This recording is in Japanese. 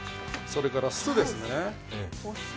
それから酢ですね。